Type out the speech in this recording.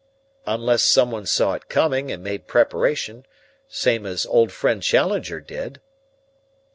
"Unless someone saw it coming and made preparation, same as old friend Challenger did."